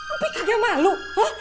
empi kagak malu hah